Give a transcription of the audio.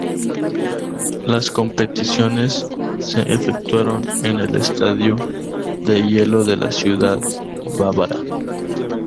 Las competiciones se efectuaron en el Estadio de Hielo de la ciudad bávara.